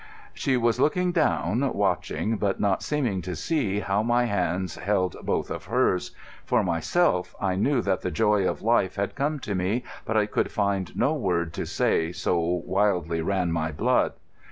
She was looking down, watching, but not seeming to see, how my hands held both of hers. For myself, I knew that the joy of life had come to me; but I could find no word to say, so wildly ran my blood.